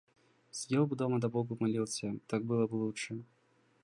Сидел бы дома да богу молился; так было бы лучше.